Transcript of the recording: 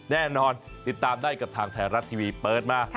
แน่นอนติดตามได้กับทางไทยรัฐทีวีเปิดมา